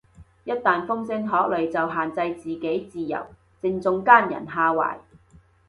一但風聲鶴唳就限制自己自由，正中奸人下懷